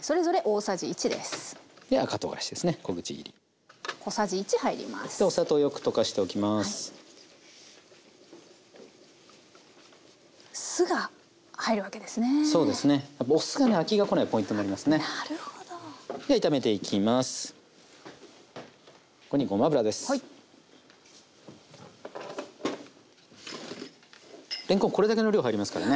れんこんこれだけの量入りますからね。